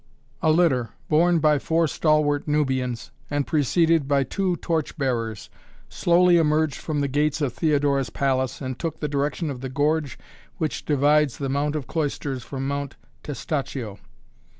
A litter, borne by four stalwart Nubians, and preceded by two torch bearers, slowly emerged from the gates of Theodora's palace and took the direction of the gorge which divides the Mount of Cloisters from Mount Testaccio.